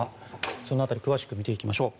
その辺り詳しく見ていきましょう。